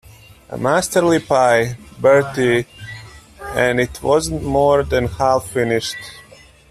A masterly pie, Bertie, and it wasn't more than half finished.